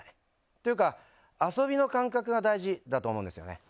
というか遊びの感覚が大事だと思うんですね。